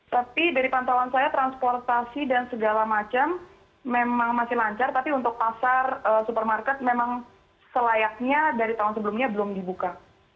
tapi dari pantauan saya transportasi dan segala macam memang masih lancar tapi untuk pasar supermarket memang selayaknya dari tahun sebelumnya belum dibuka